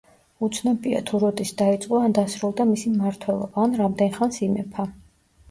უცნობია თუ როდის დაიწყო ან დასრულდა მისი მმართველობა, ან რამდენ ხანს იმეფა.